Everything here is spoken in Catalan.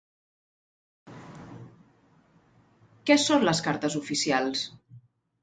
Què són les cartes oficials?